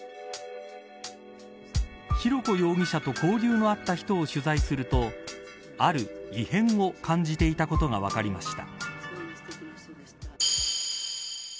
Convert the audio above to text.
浩子容疑者と交流のあった人を取材するとある異変を感じていたことが分かりました。